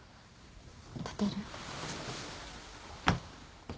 立てる？